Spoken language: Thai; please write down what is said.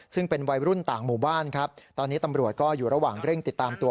ซึ่งเป็นวัยรุ่นต่างหมู่บ้านครับตอนนี้ตำรวจก็อยู่ระหว่างเร่งติดตามตัว